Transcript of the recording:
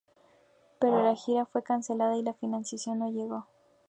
Pero la gira fue cancelada y la financiación no llegó.